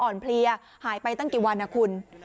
อ่อนเพลียหายไปตั้งกี่วันคุณ